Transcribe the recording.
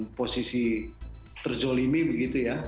dalam posisi terzolimi begitu ya